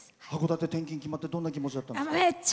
函館転勤決まってどんな気持ちだったんですか？